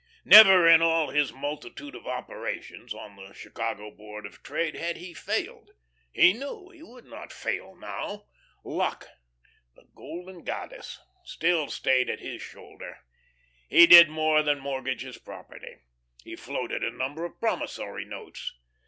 Never in all his multitude of operations on the Chicago Board of Trade had he failed. He knew he would not fail now; Luck, the golden goddess, still staid at his shoulder. He did more than mortgage his property; he floated a number of promissory notes.